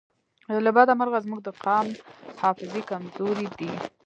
له بده مرغه زموږ د قام حافظې کمزورې دي